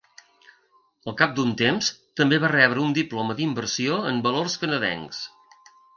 Al cap d'un temps també va rebre un diploma d'inversió en valors canadencs.